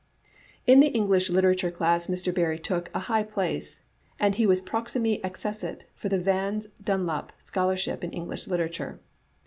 In the English Literature class Mr. Barrietook a high place, and he was proxime accessit for the Vans Dunlop scholarship in English Literature.